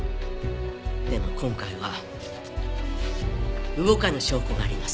でも今回は動かぬ証拠があります。